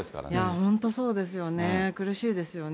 本当そうですよね、苦しいですよね。